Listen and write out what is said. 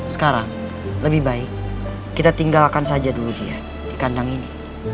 sekarang lebih baik kita tinggalkan saja dulu dia di kandang ini